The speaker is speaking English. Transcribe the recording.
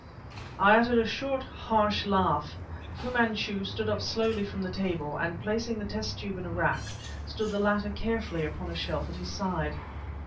I uttered a short, harsh laugh. Fu Manchu stood up slowly from the table, and, placing the test tube in a rack, stood the latter carefully upon a shelf at his side.